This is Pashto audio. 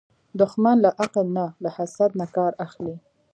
دښمن له عقل نه، له حسد نه کار اخلي